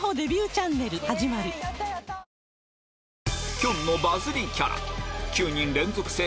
きょんのバズりキャラ